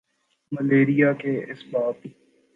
malaria کے اسباب